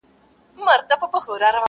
د قدرت پر دښمنانو کړي مور بوره!!